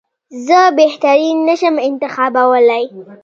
زه بهترین نه شم انتخابولای.